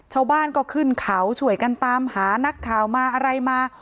ชาวบ้านก็ขึ้นเขาช่วยกันตามหานักข่าวมาอะไรมา